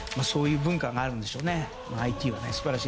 そういう文化があるんでしょうね。